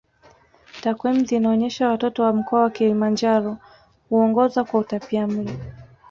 Takwimu zinaonyesha watoto wa mkoa wa Kilimanjaro huongoza kwa utapiamlo